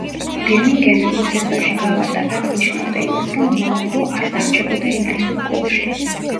ბირმინგემი იმ სეზონში გავარდა, რაც ნიშნავდა იმას რომ მაურო არ დარჩებოდა ინგლისურ კლუბში.